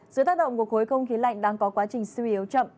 dưới tác động của khối không khí lạnh đang có quá trình suy yếu chậm